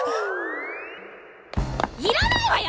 いらないわよ！